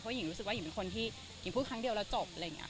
หญิงรู้สึกว่าหญิงเป็นคนที่หญิงพูดครั้งเดียวแล้วจบอะไรอย่างนี้